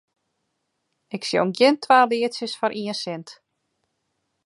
Ik sjong gjin twa lietsjes foar ien sint.